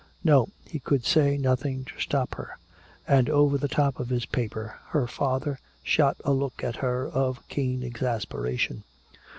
No, he could say nothing to stop her. And over the top of his paper her father shot a look at her of keen exasperation.